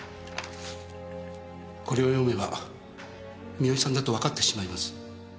これを読めば三好さんだとわかってしまいます。